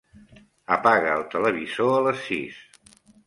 Apaga el televisor a les sis.